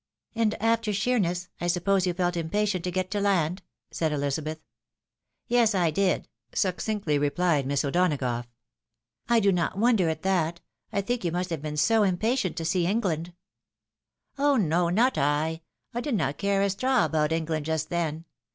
" And after Sheemess, I suppose you felt impatient to get to land? " said Elizabeth. " Yes, I did," succinctly replied Miss O'Donagough. " I do not wonder at that. I think you must have been so impatient to see England !"" Oh no, not I ! I did not care a straw about England just then.